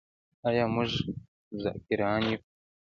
آیا موږ ذاکران یو؟